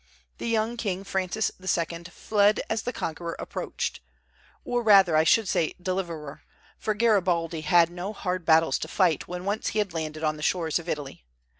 The young king Francis II. fled as the conqueror approached, or rather I should say, deliverer; for Garibaldi had no hard battles to fight when once he had landed on the shores of Italy.